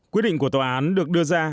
quyết định của tòa án được đưa ra